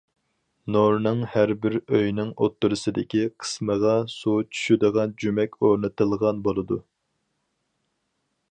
نورنىڭ ھەربىر ئۆينىڭ ئوتتۇرىسىدىكى قىسمىغا سۇ چۈشىدىغان جۈمەك ئورنىتىلغان بولىدۇ.